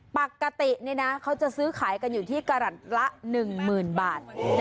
ปกติเขาจะซื้อขายกันอยู่ที่กระหลัดละ๑๐๐๐บาท